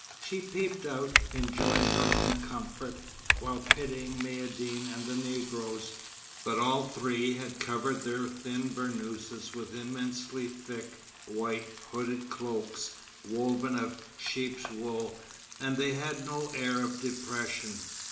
She peeped out, enjoying her own comfort, while pitying Maïeddine and the Negroes; but all three had covered their thin burnouses with immensely thick, white, hooded cloaks, woven of sheep's wool, and they had no air of depression.